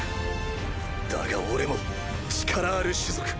だが俺も力ある種族。